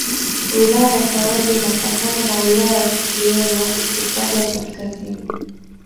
Wilaya ya Karagwe inapakana na Wilaya ya Kyerwa upande wa Kaskazini